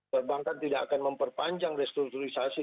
perbankan tidak akan memperpanjang restrukturisasi